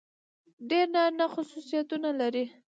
ډېر نارينه خصوصيتونه لري.